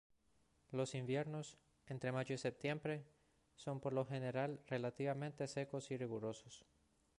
Los inviernos —entre mayo y septiembre— son por lo general relativamente secos y rigurosos.